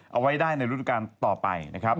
เอาไว้ได้ในรูปการณ์ต่อไปนะครับ